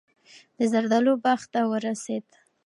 د زردالو باغ ته ورسېد.